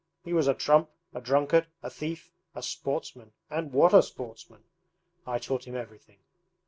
He was a trump, a drunkard, a thief, a sportsman and what a sportsman! I taught him everything.'